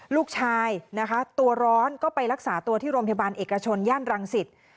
ลูกชายนะคะตัวร้อนก็ไปรักษาตัวที่โรงพยาบาลเอกชนย่านรังสิต